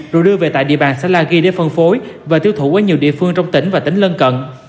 rồi đưa về tại địa bàn xã la ghi để phân phối và tiêu thụ ở nhiều địa phương trong tỉnh và tỉnh lân cận